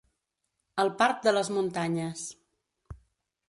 El part de les muntanyes.